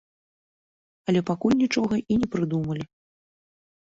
Але пакуль нічога і не прыдумалі.